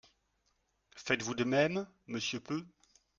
Faites-vous de même, monsieur Peu?